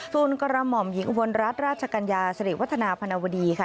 กระหม่อมหญิงอุบลรัฐราชกัญญาสิริวัฒนาพนวดีค่ะ